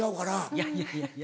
いやいやいやいや。